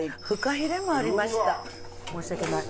申し訳ない。